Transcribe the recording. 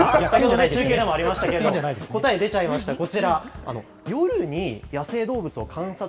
中継でもありましたけど、答え、出ちゃいました、こちら。